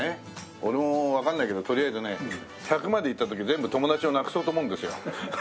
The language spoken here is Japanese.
俺もわかんないけどとりあえずね１００までいった時全部友達をなくそうと思うんですよ。